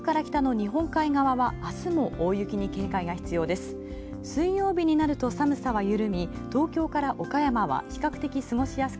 日本海側はあすも大雪に警戒が必要です。